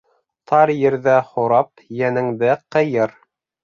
Тар ерҙә һорап, йәнеңде ҡыйыр.